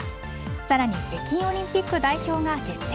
さらに北京オリンピック代表が決定。